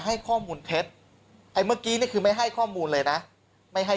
ให้ข้อมูลเท็จไอ้เมื่อกี้นี่คือไม่ให้ข้อมูลเลยนะไม่ให้